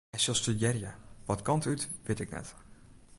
Hy sil studearje, wat kant út wit ik net.